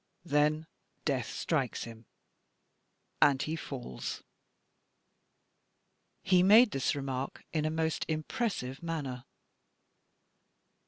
Then Death strikes him, and he falls." He made this remark in a most impressive manner.